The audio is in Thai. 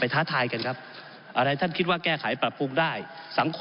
ผมอภิปรายเรื่องการขยายสมภาษณ์รถไฟฟ้าสายสีเขียวนะครับ